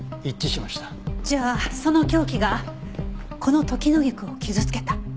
じゃあその凶器がこのトキノギクを傷つけた。